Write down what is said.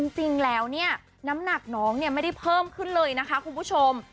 จริงแล้วเนี่ยน้ำหนักน้องเนี่ยไม่ได้เพิ่มขึ้นเลยนะคะคุณผู้ชม